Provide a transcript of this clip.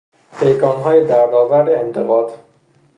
پیکانهای دردآور انتقاد